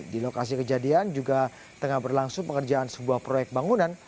di lokasi kejadian juga tengah berlangsung pengerjaan sebuah proyek bangunan